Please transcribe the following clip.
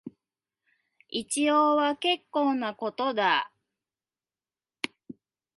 一応は結構なことだ